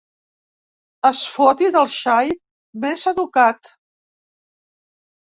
Es foti del xai més educat.